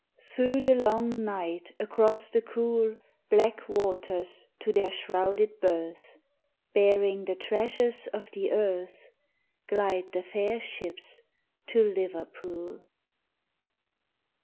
Through the long night across the cool Black waters to their shrouded berth, Bearing the treasures of the earth, Glide the fair ships to Liverpool.